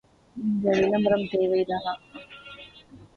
இந்த விளம்பரம் தேவைதானா?